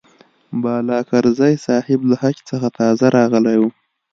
بالاکرزی صاحب له حج څخه تازه راغلی و.